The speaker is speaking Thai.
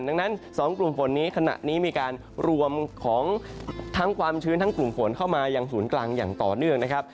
ดังนั้น๒กลุ่มฝนนี้ขณะนี้มีการรวมของทั้งความชื้นทั้งกลุ่มฝนเข้ามายังศูนย์กลางอย่างต่อเนื่องนะครับ